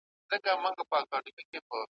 فرعون او هامان `